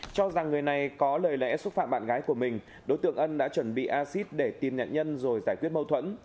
cho rằng người này có lời lẽ xúc phạm bạn gái của mình đối tượng ân đã chuẩn bị acid để tìm nhận nhân rồi giải quyết mâu thuẫn